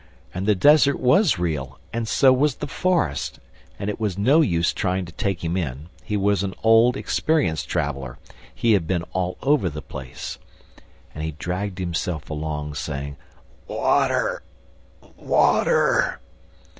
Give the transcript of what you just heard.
... And the desert was real! ... And so was the forest! ... And it was no use trying to take him in ... he was an old, experienced traveler ... he had been all over the place! And he dragged himself along, saying: "Water! Water!"